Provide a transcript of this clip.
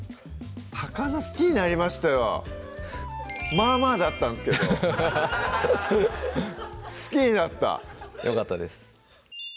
高菜好きになりましたよまあまあだったんすけど好きになったよかったです